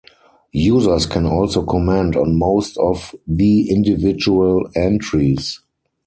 Users can also comment on most of the individual entries.